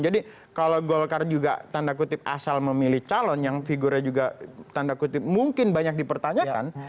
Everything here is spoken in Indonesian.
jadi kalau golkar juga tanda kutip asal memilih calon yang figure juga tanda kutip mungkin banyak dipertanyakan